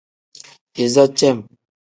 Iza cem.